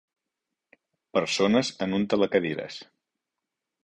Persones en un telecadires.